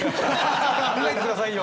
考えてくださいよ。